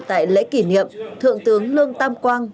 tại lễ kỷ niệm thượng tướng lương tam quang